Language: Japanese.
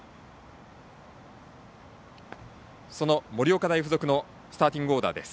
その盛岡大付属のスターティングオーダーです。